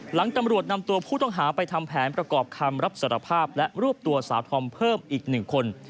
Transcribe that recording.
ตำรวจนำตัวผู้ต้องหาไปทำแผนประกอบคำรับสารภาพและรวบตัวสาวธอมเพิ่มอีก๑คน